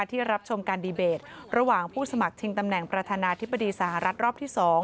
ที่รับชมการดีเบตระหว่างผู้สมัครชิงตำแหน่งประธานาธิบดีสหรัฐรอบที่๒